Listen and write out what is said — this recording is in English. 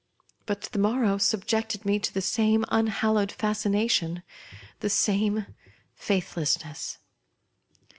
But the morrow subjected me to the same unhallowed fascination, the same faithlessness.